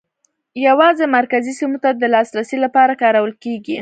یوازې مرکزي سیمو ته د لاسرسي لپاره کارول کېږي.